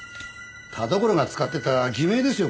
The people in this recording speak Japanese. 田所が使ってた偽名ですよ